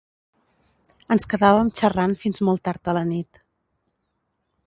Ens quedàvem xerrant fins molt tard a la nit.